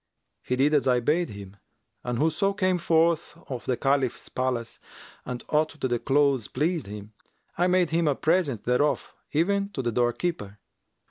He did as I bade him, and whoso came forth of the Caliph's palace and aught of the clothes pleased him, I made him a present thereof, even to the doorkeeper.